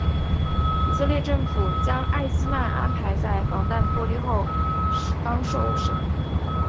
以色列政府将艾希曼安排在防弹玻璃后方受审。